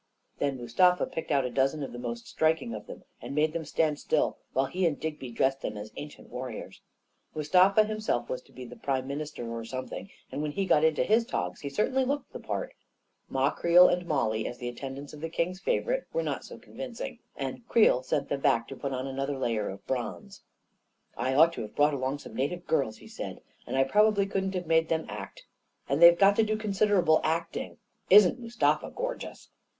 Then Mustafa picked out a dozen of the most striking of them, and made them stand still while he and Digby dressed them as ancient warriors. Mustafa him self was to be prime minister or something, and when he got into his togs he certainly looked the part. Ma Creel and Mollie, as the attendants of the king's favorite, were not so convincing, and Creel sent them back to put on another layer of bronze. 44 1 ought to have brought along some native girls, 91 he said; " but I probably couldn't have made them actl And they've got to do considerable act ing. Isn't Mustafa gorgeous?